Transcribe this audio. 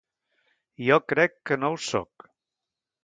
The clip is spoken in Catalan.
Jo crec que no ho sóc.